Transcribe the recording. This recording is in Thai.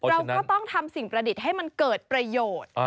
เราก็ต้องทำสิ่งประดิษฐ์ให้มันเกิดประโยชน์